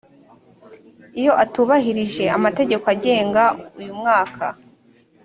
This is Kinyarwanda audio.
iyo atubahirije amategeko agenga uyu mwaka